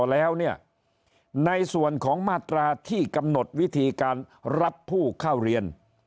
แล้วเนี่ยในส่วนของมาตราที่กำหนดวิธีการรับผู้เข้าเรียน